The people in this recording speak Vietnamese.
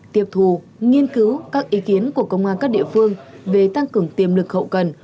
tiệp thù nghiên cứu các ý kiến của công an các địa phương về tăng cường tiềm lực hậu cần